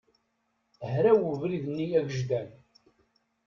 Hraw ubrid-nni agejdan.